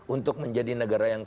untuk menjadi negara yang